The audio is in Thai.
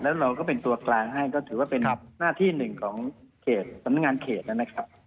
แล้วเราก็เป็นตัวกลางให้ก็ถือว่าเป็นหน้าที่หนึ่งของเขตสำนักงานเขตนะครับ